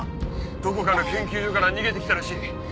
どこかの研究所から逃げて来たらしい。